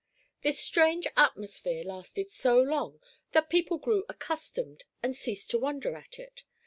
This strange atmosphere lasted so long that people grew accustomed and ceased to wonder at it.